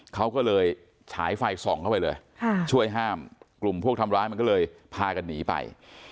เขาก็เลยฉายไฟส่องเข้าไปเลยช่วยห้ามกลุ่มพวกทำร้ายมันก็เลยพากันหนีไป